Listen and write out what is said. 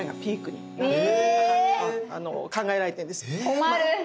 困る。